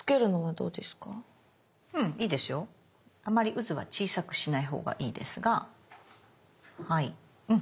あまりうずは小さくしないほうがいいですがはいうん